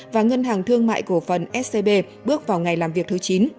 và ngân hàng thương mại cổ phần scb bước vào ngày làm việc thứ chín